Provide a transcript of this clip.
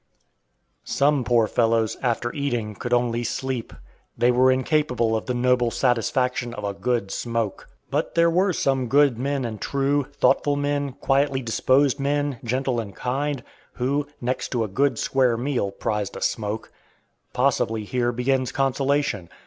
Some poor fellows, after eating, could only sleep. They were incapable of the noble satisfaction of "a good smoke." But there were some good men and true, thoughtful men, quietly disposed men, gentle and kind, who, next to a good "square" meal prized a smoke. Possibly, here begins consolation.